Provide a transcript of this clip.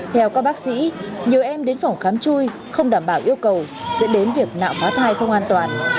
theo các bác sĩ nhiều em đến phòng khám chui không đảm bảo yêu cầu dẫn đến việc nạo phá thai không an toàn